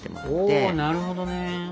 なるほどね。